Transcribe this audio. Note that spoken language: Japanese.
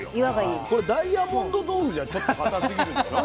これダイヤモンド豆腐じゃちょっと固すぎるでしょ。